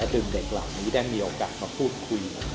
ซึ่งเด็กเหล่านี้ได้มีโอกาสมาพูดคุย